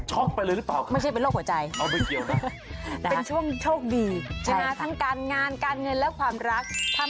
ช่อยอ่ะครัลครับ